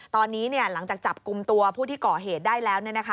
ตอนนี้เนี่ยหลังจากจับกลุ่มตัวผู้ที่ก่อเหตุได้แล้วเนี่ยนะคะ